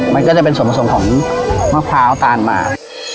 มันก็จะเป็นส่วนผสมของมะพร้าวตาลหมาก